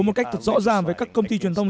một cách thật rõ ràng với các công ty truyền thông